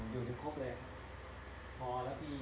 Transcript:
อยู่ทุกครบเลย